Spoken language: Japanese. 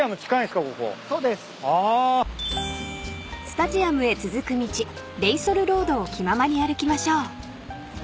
［スタジアムへ続く道レイソルロードを気ままに歩きましょう］